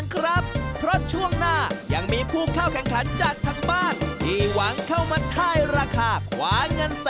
กลับบ้านมือเปล่าสวัสดีค่า